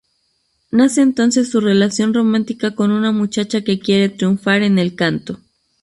Nace entonces su relación romántica con una muchacha que quiere triunfar en el canto.